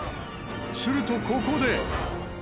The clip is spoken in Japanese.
するとここで。